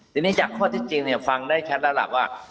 ทีนี้จากข้อที่จริงเนี่ยฟังได้ชัดระหลักว่า